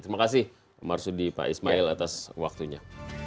terima kasih marsudi pak ismail atas waktunya